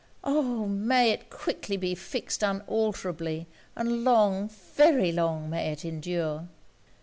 Oh! may it quickly be fixed unalterably; and long, very long, may it endure!